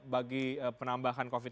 bagi penambahan covid sembilan